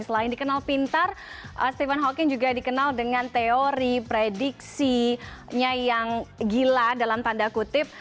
selain dikenal pintar stephen hawking juga dikenal dengan teori prediksinya yang gila dalam tanda kutip